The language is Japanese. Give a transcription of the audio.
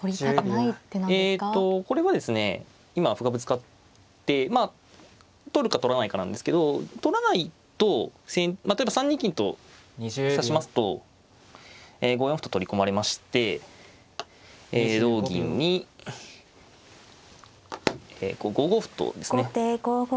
えとこれはですね今歩がぶつかって取るか取らないかなんですけど取らないと例えば３二金と指しますと５四歩と取り込まれまして同銀に５五歩とですね